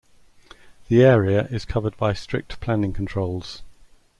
The area is covered by strict planning controls.